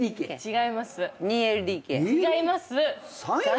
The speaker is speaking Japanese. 違います！